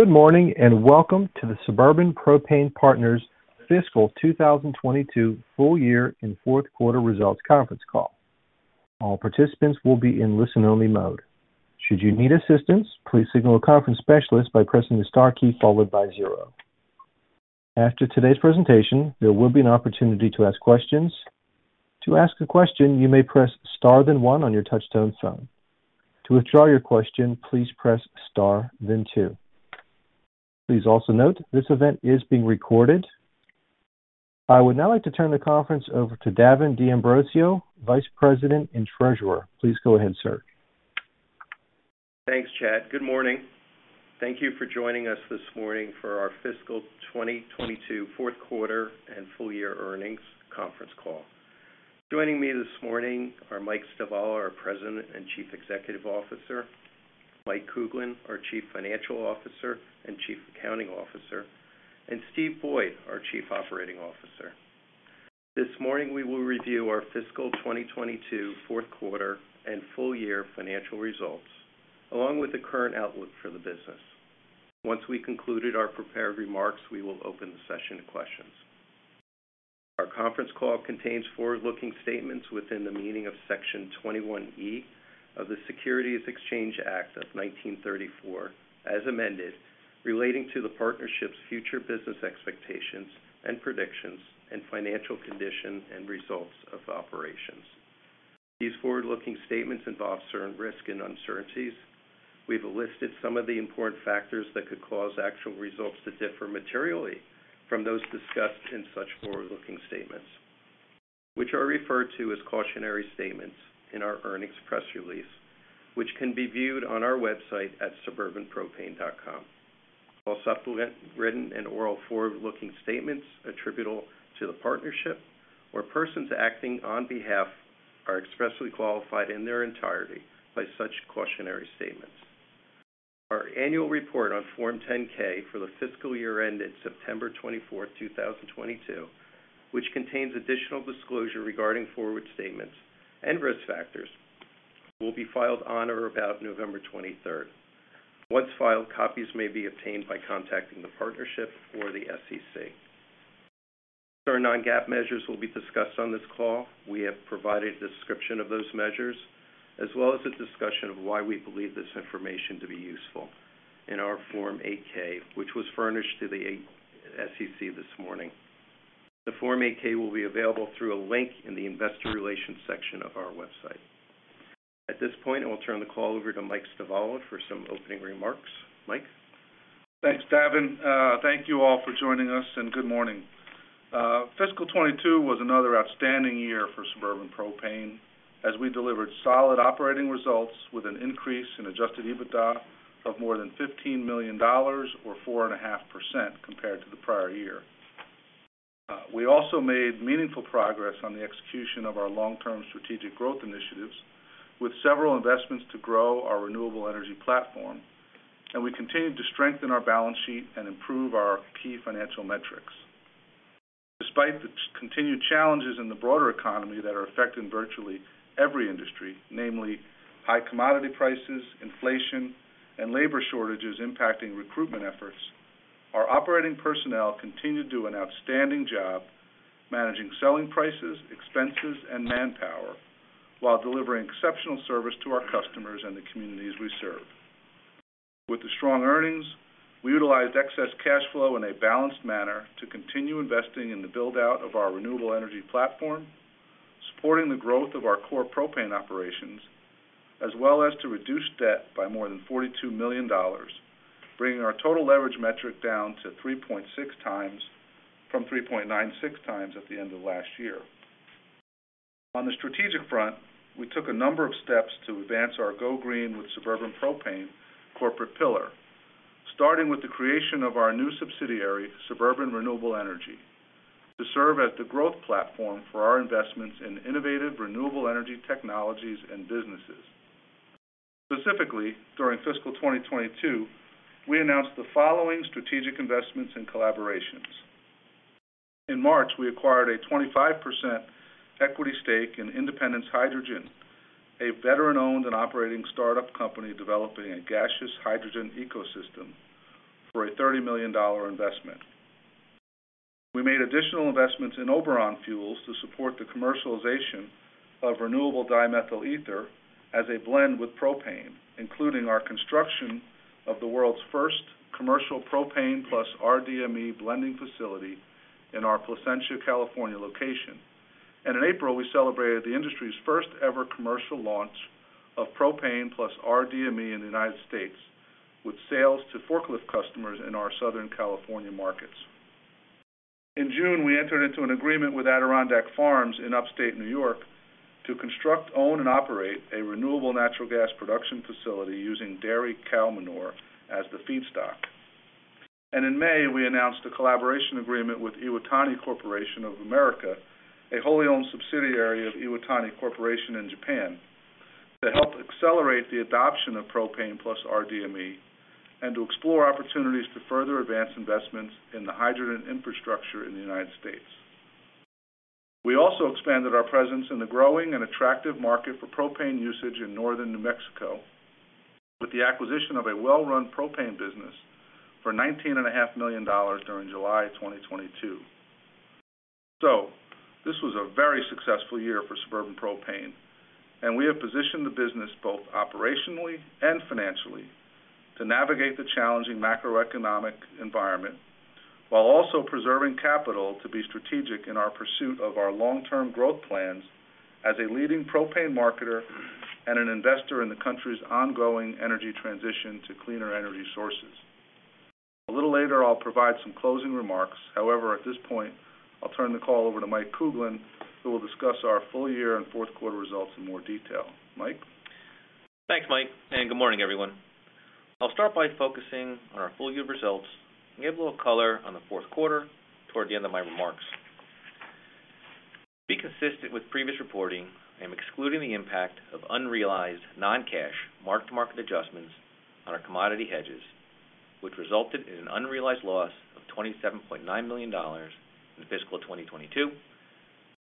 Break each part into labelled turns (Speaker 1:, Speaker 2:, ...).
Speaker 1: Good morning, and welcome to the Suburban Propane Partners Fiscal 2022 Full Year and Fourth Quarter Results Conference Call. All participants will be in listen-only mode. Should you need assistance, please signal a conference specialist by pressing the star key followed by zero. After today's presentation, there will be an opportunity to ask questions. To ask a question, you may press Star then one on your touch-tone phone. To withdraw your question, please press Star then two. Please also note this event is being recorded. I would now like to turn the conference over to Davin D'Ambrosio, Vice President and Treasurer. Please go ahead, sir.
Speaker 2: Thanks, Chad. Good morning. Thank you for joining us this morning for our fiscal 2022 fourth quarter and full year earnings conference call. Joining me this morning are Mike Stivala, our President and Chief Executive Officer, Mike Kuglin, our Chief Financial Officer and Chief Accounting Officer, and Steve Boyd, our Chief Operating Officer. This morning, we will review our fiscal 2022 fourth quarter and full year financial results, along with the current outlook for the business. Once we concluded our prepared remarks, we will open the session to questions. Our conference call contains forward-looking statements within the meaning of Section 21E of the Securities Exchange Act of 1934, as amended, relating to the partnership's future business expectations and predictions and financial condition and results of operations. These forward-looking statements involve certain risks and uncertainties. We've listed some of the important factors that could cause actual results to differ materially from those discussed in such forward-looking statements, which are referred to as cautionary statements in our earnings press release, which can be viewed on our website at suburbanpropane.com. All supplement written and oral forward-looking statements attributable to the partnership or persons acting on behalf are expressly qualified in their entirety by such cautionary statements. Our annual report on Form 10-K for the fiscal year ended September 24, 2022, which contains additional disclosure regarding forward statements and risk factors, will be filed on or about November 23. Once filed, copies may be obtained by contacting the partnership or the SEC. Certain non-GAAP measures will be discussed on this call. We have provided a description of those measures, as well as a discussion of why we believe this information to be useful in our Form 8-K, which was furnished to the SEC this morning. The Form 8-K will be available through a link in the investor relations section of our website. At this point, I will turn the call over to Mike Stivala for some opening remarks. Mike?
Speaker 3: Thanks, Davin. Thank you all for joining us, and good morning. Fiscal 2022 was another outstanding year for Suburban Propane as we delivered solid operating results with an increase in Adjusted EBITDA of more than $15 million or 4.5% compared to the prior year. We also made meaningful progress on the execution of our long-term strategic growth initiatives with several investments to grow our renewable energy platform, and we continued to strengthen our balance sheet and improve our key financial metrics. Despite the continued challenges in the broader economy that are affecting virtually every industry, namely high commodity prices, inflation, and labor shortages impacting recruitment efforts, our operating personnel continue to do an outstanding job managing selling prices, expenses, and manpower while delivering exceptional service to our customers and the communities we serve. With the strong earnings, we utilized excess cash flow in a balanced manner to continue investing in the build-out of our renewable energy platform, supporting the growth of our core propane operations, as well as to reduce debt by more than $42 million, bringing our total leverage metric down to 3.6x from 3.96x at the end of last year. On the strategic front, we took a number of steps to advance our Go Green with Suburban Propane corporate pillar, starting with the creation of our new subsidiary, Suburban Renewable Energy, to serve as the growth platform for our investments in innovative renewable energy technologies and businesses. Specifically, during fiscal 2022, we announced the following strategic investments and collaborations. In March, we acquired a 25% equity stake in Independence Hydrogen, a veteran-owned and operating startup company developing a gaseous hydrogen ecosystem, for a $30 million investment. We made additional investments in Oberon Fuels to support the commercialization of renewable dimethyl ether as a blend with propane, including our construction of the world's first commercial propane plus rDME blending facility in our Placentia, California location. In April, we celebrated the industry's first ever commercial launch of propane plus rDME in the United States with sales to forklift customers in our Southern California markets. In June, we entered into an agreement with Adirondack Farms in Upstate New York to construct, own and operate a renewable natural gas production facility using dairy cow manure as the feedstock. In May, we announced a collaboration agreement with Iwatani Corporation of America, a wholly owned subsidiary of Iwatani Corporation in Japan, to help accelerate the adoption of propane plus rDME and to explore opportunities to further advance investments in the hydrogen infrastructure in the United States. We also expanded our presence in the growing and attractive market for propane usage in northern New Mexico with the acquisition of a well-run propane business for $19.5 million during July 2022. This was a very successful year for Suburban Propane, and we have positioned the business both operationally and financially to navigate the challenging macroeconomic environment while also preserving capital to be strategic in our pursuit of our long-term growth plans as a leading propane marketer and an investor in the country's ongoing energy transition to cleaner energy sources. A little later, I'll provide some closing remarks. However, at this point, I'll turn the call over to Mike Kuglin, who will discuss our full year and fourth quarter results in more detail. Mike?
Speaker 4: Thanks, Mike, and good morning, everyone. I'll start by focusing on our full year results and give a little color on the fourth quarter toward the end of my remarks. To be consistent with previous reporting, I'm excluding the impact of unrealized non-cash mark-to-market adjustments on our commodity hedges, which resulted in an unrealized loss of $27.9 million in fiscal 2022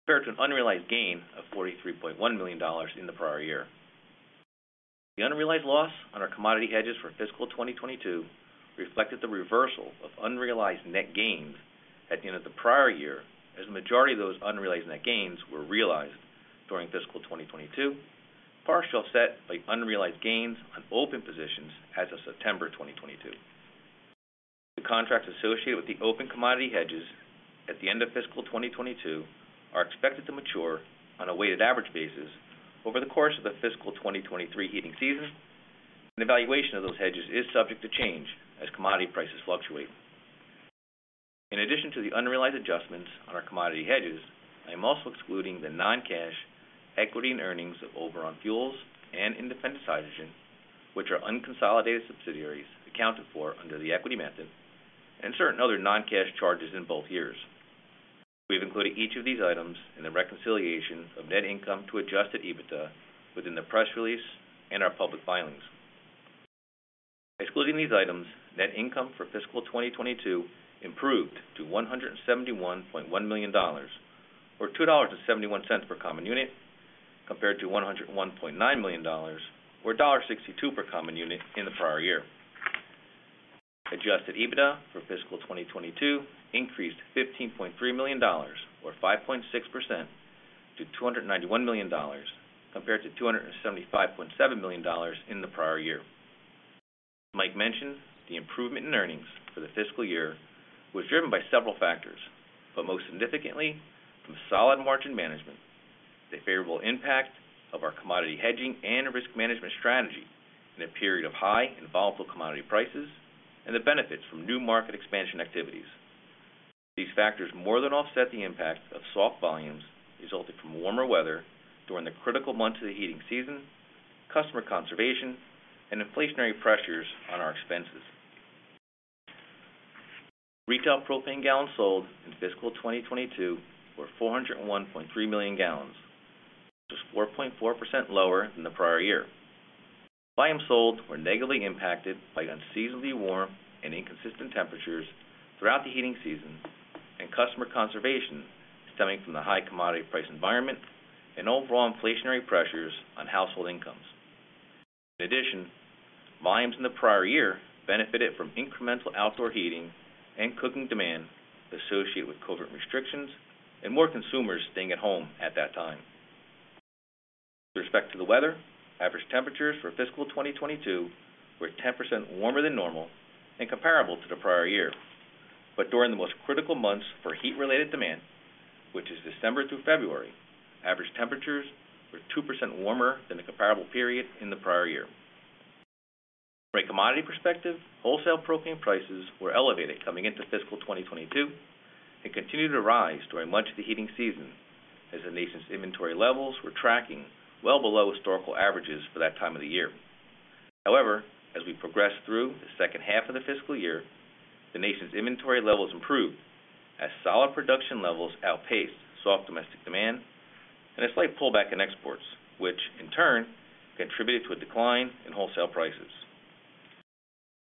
Speaker 4: compared to an unrealized gain of $43.1 million in the prior year. The unrealized loss on our commodity hedges for fiscal 2022 reflected the reversal of unrealized net gains at the end of the prior year, as the majority of those unrealized net gains were realized during fiscal 2022, partially offset by unrealized gains on open positions as of September 2022. The contracts associated with the open commodity hedges at the end of fiscal 2022 are expected to mature on a weighted average basis over the course of the fiscal 2023 heating season, and evaluation of those hedges is subject to change as commodity prices fluctuate. In addition to the unrealized adjustments on our commodity hedges, I'm also excluding the non-cash equity and earnings of Oberon Fuels and Independence Hydrogen, which are unconsolidated subsidiaries accounted for under the equity method and certain other non-cash charges in both years. We've included each of these items in the reconciliation of net income to Adjusted EBITDA within the press release and our public filings. Excluding these items, net income for fiscal 2022 improved to $171.1 million or $2.71 per common unit, compared to $101.9 million or $1.62 per common unit in the prior year. Adjusted EBITDA for fiscal 2022 increased $15.3 million or 5.6% to $291 million compared to $275.7 million in the prior year. Mike mentioned the improvement in earnings for the fiscal year was driven by several factors, but most significantly from solid margin management, the favorable impact of our commodity hedging and risk management strategy in a period of high and volatile commodity prices, and the benefits from new market expansion activities. These factors more than offset the impact of soft volumes resulting from warmer weather during the critical months of the heating season, customer conservation, and inflationary pressures on our expenses. Retail propane gallons sold in fiscal 2022 were 401.3 million gallons, which was 4.4% lower than the prior year. Volumes sold were negatively impacted by unseasonably warm and inconsistent temperatures throughout the heating season and customer conservation stemming from the high commodity price environment and overall inflationary pressures on household incomes. In addition, volumes in the prior year benefited from incremental outdoor heating and cooking demand associated with COVID restrictions and more consumers staying at home at that time. With respect to the weather, average temperatures for fiscal 2022 were 10% warmer than normal and comparable to the prior year. During the most critical months for heat-related demand, which is December through February, average temperatures were 2% warmer than the comparable period in the prior year. From a commodity perspective, wholesale propane prices were elevated coming into fiscal 2022 and continued to rise during much of the heating season as the nation's inventory levels were tracking well below historical averages for that time of the year. However, as we progressed through the second half of the fiscal year, the nation's inventory levels improved as solid production levels outpaced soft domestic demand and a slight pullback in exports, which in turn contributed to a decline in wholesale prices.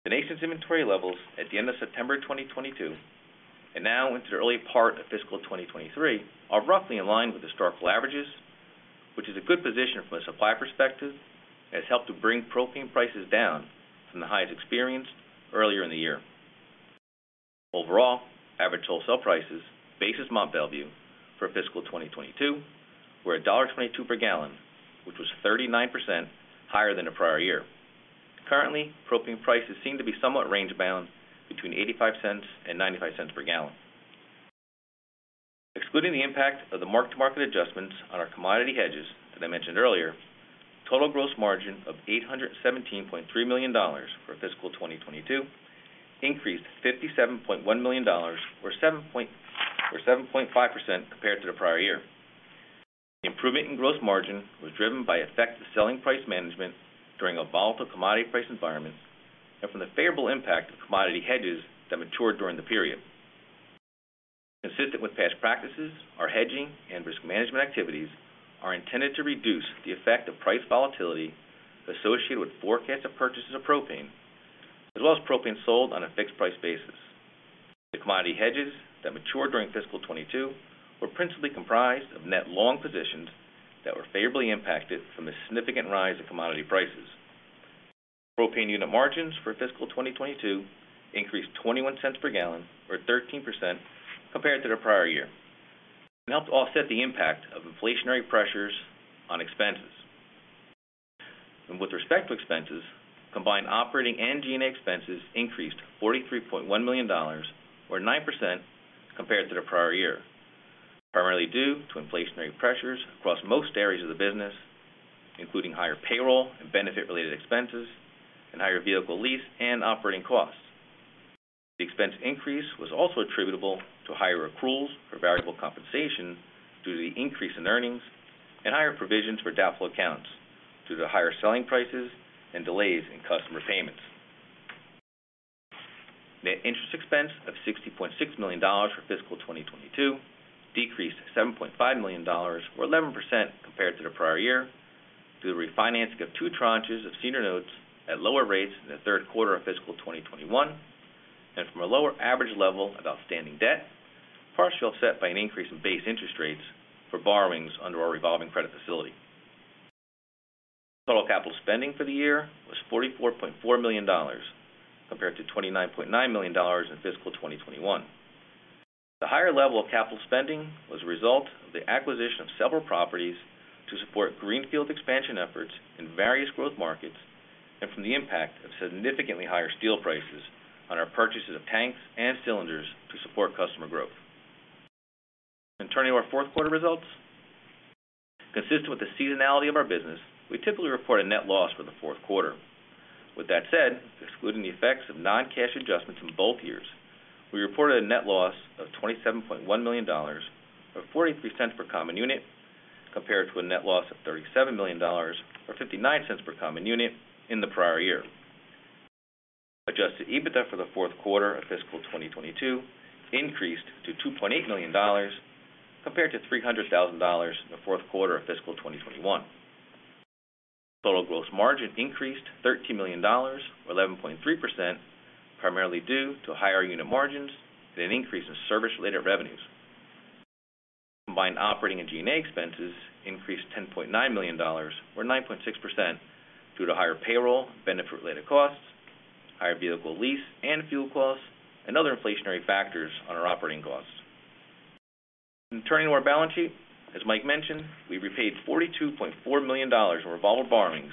Speaker 4: The nation's inventory levels at the end of September 2022 and now into the early part of fiscal 2023 are roughly in line with historical averages, which is a good position from a supply perspective. This has helped to bring propane prices down from the highs experienced earlier in the year. Overall, average wholesale prices, basis Mont Belvieu, for fiscal 2022 were $1.22 per gallon, which was 39% higher than the prior year. Currently, propane prices seem to be somewhat range-bound between $0.85-$0.95 per gallon. Excluding the impact of the mark-to-market adjustments on our commodity hedges that I mentioned earlier, total gross margin of $817.3 million for fiscal 2022 increased $57.1 million or 7.5% compared to the prior year. The improvement in gross margin was driven by effective selling price management during a volatile commodity price environment and from the favorable impact of commodity hedges that matured during the period. Consistent with past practices, our hedging and risk management activities are intended to reduce the effect of price volatility associated with forecasts of purchases of propane, as well as propane sold on a fixed price basis. The commodity hedges that matured during fiscal 2022 were principally comprised of net long positions that were favorably impacted from a significant rise in commodity prices. Propane unit margins for fiscal 2022 increased $0.21 per gallon, or 13% compared to the prior year, and helped offset the impact of inflationary pressures on expenses. With respect to expenses, combined operating and G&A expenses increased $43.1 million, or 9% compared to the prior year, primarily due to inflationary pressures across most areas of the business, including higher payroll and benefit-related expenses and higher vehicle lease and operating costs. The expense increase was also attributable to higher accruals for variable compensation due to the increase in earnings and higher provisions for doubtful accounts due to higher selling prices and delays in customer payments. Net interest expense of $60.6 million for fiscal 2022 decreased $7.5 million, or 11% compared to the prior year, due to the refinancing of two tranches of senior notes at lower rates in the third quarter of fiscal 2021 and from a lower average level of outstanding debt, partially offset by an increase in base interest rates for borrowings under our revolving credit facility. Total capital spending for the year was $44.4 million, compared to $29.9 million in fiscal 2021. The higher level of capital spending was a result of the acquisition of several properties to support greenfield expansion efforts in various growth markets and from the impact of significantly higher steel prices on our purchases of tanks and cylinders to support customer growth. Turning to our fourth quarter results. Consistent with the seasonality of our business, we typically report a net loss for the fourth quarter. With that said, excluding the effects of non-cash adjustments in both years, we reported a net loss of $27.1 million, or $0.43 per common unit, compared to a net loss of $37 million, or $0.59 per common unit in the prior year. Adjusted EBITDA for the fourth quarter of fiscal 2022 increased to $2.8 million, compared to $300,000 in the fourth quarter of fiscal 2021. Total gross margin increased $13 million, or 11.3%, primarily due to higher unit margins and an increase in service-related revenues. Combined operating and G&A expenses increased $10.9 million, or 9.6%, due to higher payroll, benefit-related costs, higher vehicle lease and fuel costs, and other inflationary factors on our operating costs. Turning to our balance sheet, as Mike mentioned, we repaid $42.4 million in revolver borrowings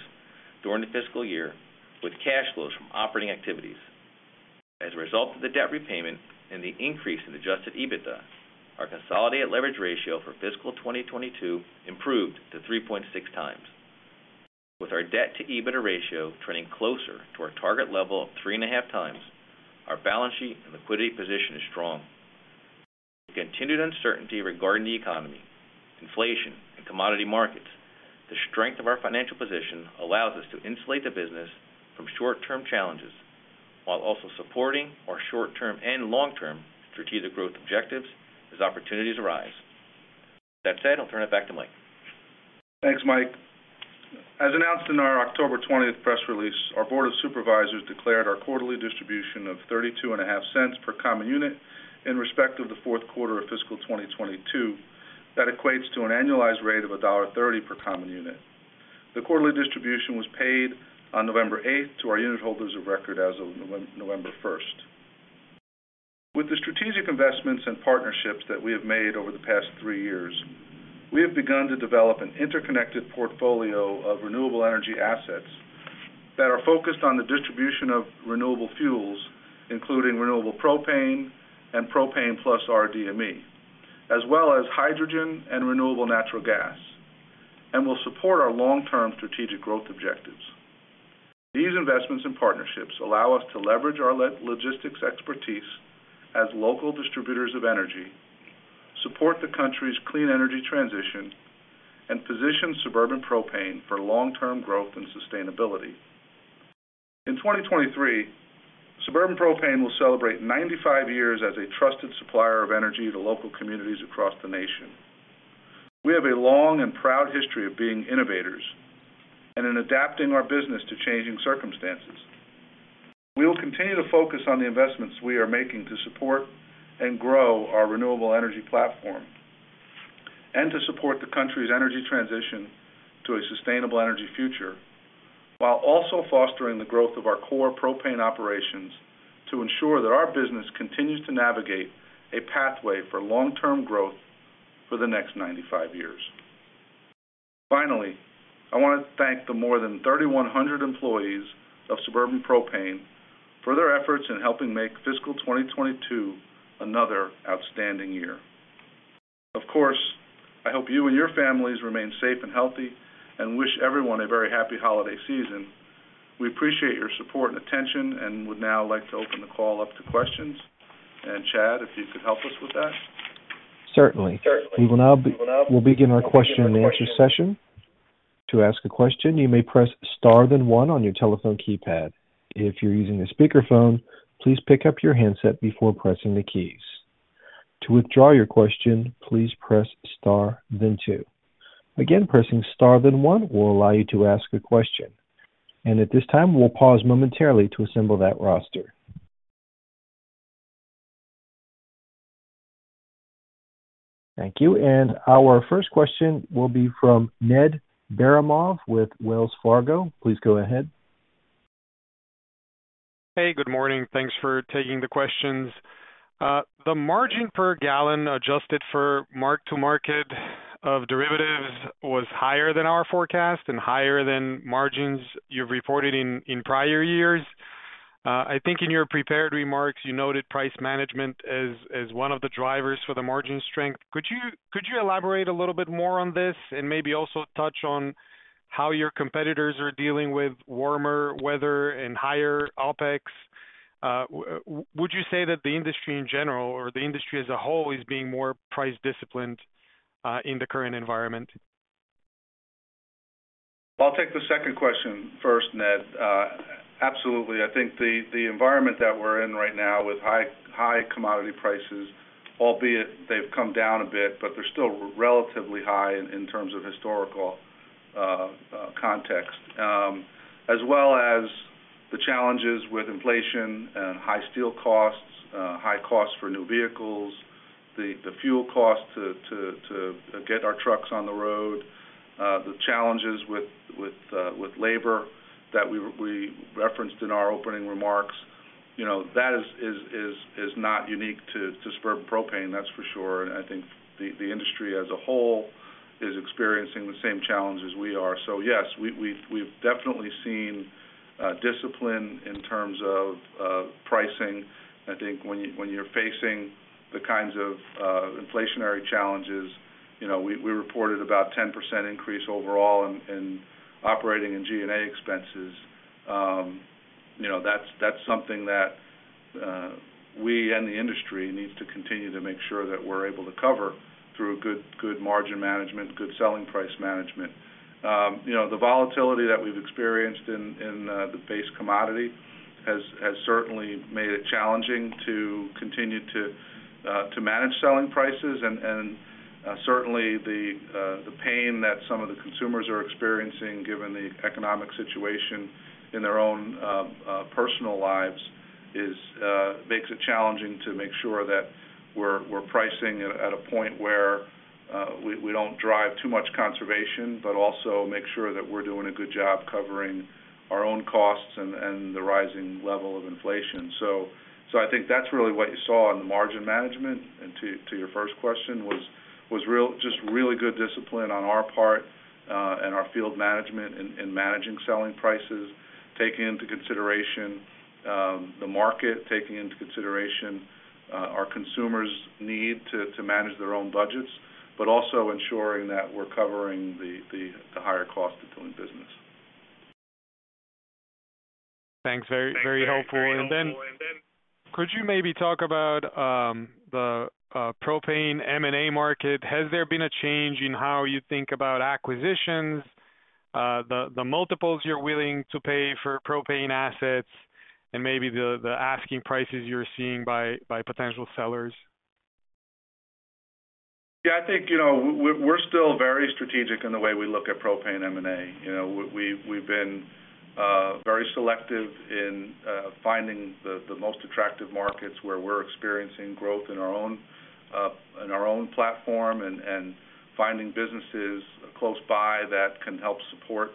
Speaker 4: during the fiscal year with cash flows from operating activities. As a result of the debt repayment and the increase in Adjusted EBITDA, our consolidated leverage ratio for fiscal 2022 improved to 3.6x. With our debt-to-EBITDA ratio trending closer to our target level of 3.5x, our balance sheet and liquidity position is strong. The continued uncertainty regarding the economy, inflation, and commodity markets. The strength of our financial position allows us to insulate the business from short-term challenges while also supporting our short-term and long-term strategic growth objectives as opportunities arise. That said, I'll turn it back to Mike.
Speaker 3: Thanks, Mike. As announced in our October 20 press release, our Board of Supervisors declared our quarterly distribution of $0.325 per common unit in respect of the fourth quarter of fiscal 2022. That equates to an annualized rate of $1.30 per common unit. The quarterly distribution was paid on November 8th to our unit holders of record as of November 1st. With the strategic investments and partnerships that we have made over the past three years, we have begun to develop an interconnected portfolio of renewable energy assets that are focused on the distribution of renewable fuels, including renewable propane and propane plus rDME, as well as hydrogen and renewable natural gas, and will support our long-term strategic growth objectives. These investments and partnerships allow us to leverage our logistics expertise as local distributors of energy, support the country's clean energy transition, and position Suburban Propane for long-term growth and sustainability. In 2023, Suburban Propane will celebrate 95 years as a trusted supplier of energy to local communities across the nation. We have a long and proud history of being innovators and in adapting our business to changing circumstances. We will continue to focus on the investments we are making to support and grow our renewable energy platform and to support the country's energy transition to a sustainable energy future, while also fostering the growth of our core propane operations to ensure that our business continues to navigate a pathway for long-term growth for the next 95 years. Finally, I wanna thank the more than 3,100 employees of Suburban Propane for their efforts in helping make fiscal 2022 another outstanding year. Of course, I hope you and your families remain safe and healthy and wish everyone a very happy holiday season. We appreciate your support and attention and would now like to open the call up to questions. Chad, if you could help us with that.
Speaker 1: Certainly. We'll begin our question and answer session. To ask a question, you may press star then one on your telephone keypad. If you're using a speakerphone, please pick up your handset before pressing the keys. To withdraw your question, please press star then two. Again, pressing star then one will allow you to ask a question. At this time, we'll pause momentarily to assemble that roster. Thank you. Our first question will be from Ned Baramov with Wells Fargo. Please go ahead.
Speaker 5: Hey, good morning. Thanks for taking the questions. The margin per gallon adjusted for mark-to-market of derivatives was higher than our forecast and higher than margins you've reported in prior years. I think in your prepared remarks you noted price management as one of the drivers for the margin strength. Could you elaborate a little bit more on this and maybe also touch on how your competitors are dealing with warmer weather and higher OpEx? Would you say that the industry in general or the industry as a whole is being more price disciplined in the current environment?
Speaker 3: I'll take the second question first, Ned. Absolutely. I think the environment that we're in right now with high commodity prices, albeit they've come down a bit, but they're still relatively high in terms of historical context, as well as the challenges with inflation and high steel costs, high costs for new vehicles, the fuel cost to get our trucks on the road, the challenges with labor that we referenced in our opening remarks. That is not unique to Suburban Propane, that's for sure. I think the industry as a whole is experiencing the same challenge as we are. Yes, we've definitely seen discipline in terms of pricing. I think when you're facing the kinds of inflationary challenges, you know, we reported about 10% increase overall in operating and G&A expenses. You know, that's something that we and the industry needs to continue to make sure that we're able to cover through good margin management, good selling price management. You know, the volatility that we've experienced in the base commodity has certainly made it challenging to continue to manage selling prices. Certainly the pain that some of the consumers are experiencing given the economic situation in their own personal lives makes it challenging to make sure that we're pricing at a point where we don't drive too much conservation, but also make sure that we're doing a good job covering our own costs and the rising level of inflation. I think that's really what you saw in the margin management. To your first question was just really good discipline on our part and our field management in managing selling prices, taking into consideration the market, taking into consideration our consumers' need to manage their own budgets, but also ensuring that we're covering the higher cost of doing business.
Speaker 5: Thanks. Very, very helpful. Could you maybe talk about the propane M&A market? Has there been a change in how you think about acquisitions, the multiples you're willing to pay for propane assets and maybe the asking prices you're seeing by potential sellers?
Speaker 3: Yeah, I think, you know, we're still very strategic in the way we look at propane M&A. You know, we've been very selective in finding the most attractive markets where we're experiencing growth in our own platform and finding businesses close by that can help support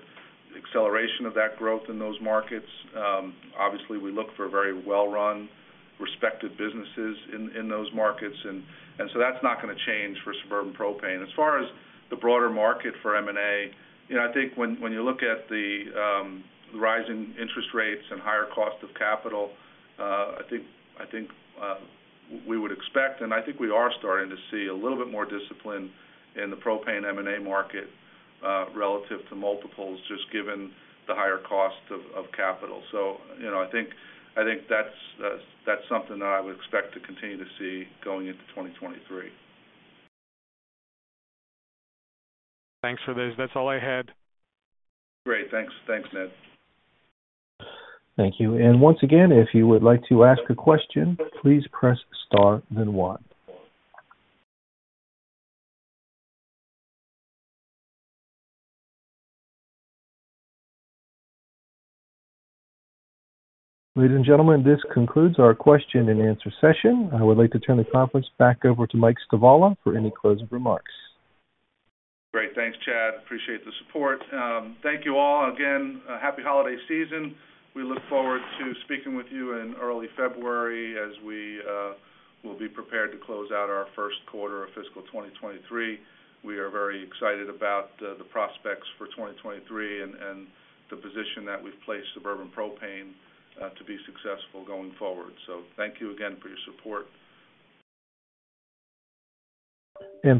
Speaker 3: the acceleration of that growth in those markets. Obviously, we look for very well run, respected businesses in those markets. That's not gonna change for Suburban Propane. As far as the broader market for M&A, you know, I think when you look at the rising interest rates and higher cost of capital, I think we would expect and I think we are starting to see a little bit more discipline in the propane M&A market, relative to multiples, just given the higher cost of capital. You know, I think that's something that I would expect to continue to see going into 2023.
Speaker 5: Thanks for this. That's all I had.
Speaker 3: Great. Thanks, Ned.
Speaker 1: Thank you. Once again, if you would like to ask a question, please press star then one. Ladies and gentlemen, this concludes our question and answer session. I would like to turn the conference back over to Mike Stivala for any closing remarks.
Speaker 3: Great. Thanks, Chad. Appreciate the support. Thank you all again, happy holiday season. We look forward to speaking with you in early February as we will be prepared to close out our first quarter of fiscal 2023. We are very excited about the prospects for 2023 and the position that we've placed Suburban Propane to be successful going forward. Thank you again for your support.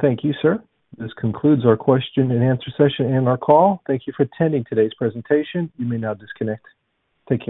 Speaker 1: Thank you, sir. This concludes our question and answer session and our call. Thank you for attending today's presentation. You may now disconnect. Take care.